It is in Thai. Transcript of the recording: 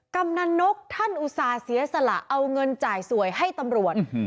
กำนันนกท่านอุตส่าห์เสียสละเอาเงินจ่ายสวยให้ตำรวจ